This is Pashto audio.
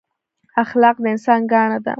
اخلاق د انسان ګاڼه ده